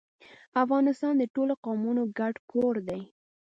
افغانستان د ټولو قومونو ګډ کور دی.